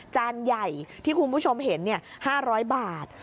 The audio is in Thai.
จานใหญ่ที่คุณผู้ชมเห็น๕๐๐บาท